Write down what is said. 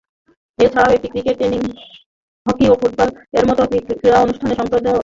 এছাড়াও এটি cricket, tennis, hockey এবং ফুটবল এর মত অনেক ক্রীড়া অনুষ্ঠান সম্প্রচারের অধিকার লাভ করেছে।